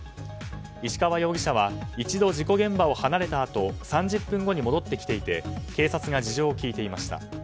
石川容疑者は一度、事故現場を離れたあと３０分後に戻ってきていて警察が事情を聴いていました。